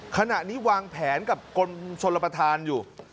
ขณะนี้วางแผนกับกรมชนรับประทานอยู่